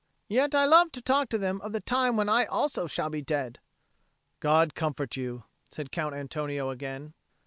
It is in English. "Yet I love to talk to them of the time when I also shall be dead." "God comfort you," said Count Antonio again.